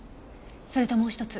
それともう一つ。